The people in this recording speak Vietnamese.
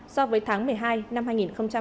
so với tháng một mươi hai năm hai nghìn hai mươi hai